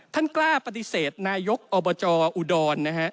ท่านกล้าปฏิเสธนายกอบจอุดรนะฮะ